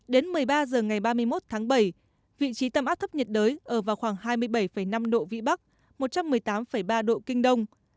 đến một mươi ba h ngày ba mươi một tháng bảy vị trí tâm áp thấp nhiệt đới ở vào khoảng hai mươi bảy năm độ vĩ bắc một trăm một mươi tám ba độ kinh đông